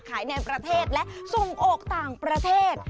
ในประเทศและส่งออกต่างประเทศ